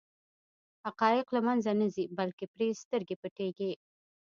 حقایق له منځه نه ځي بلکې پرې سترګې پټېږي.